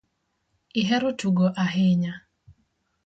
Ihero tugo ahinya